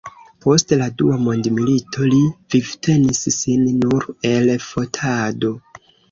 Post la dua mondmilito li vivtenis sin nur el fotado.